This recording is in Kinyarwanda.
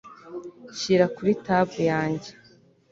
Shyira kuri tab yanjye